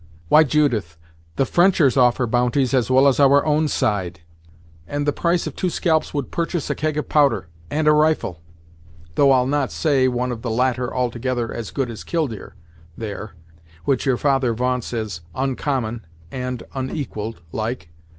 "Why, Judith, the Frenchers offer bounties as well as our own side, and the price of two scalps would purchase a keg of powder, and a rifle; though I'll not say one of the latter altogether as good as Killdeer, there, which your father va'nts as uncommon, and unequalled, like.